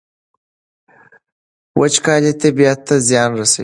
وچکالي طبیعت ته زیان رسوي.